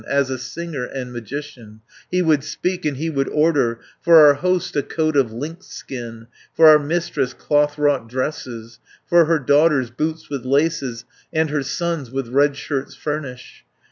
"As a singer and magician, He would speak and he would order 410 For our host a coat of lynxskin, For our mistress cloth wrought dresses, For her daughters boots with laces, And her sons with red shirts furnish.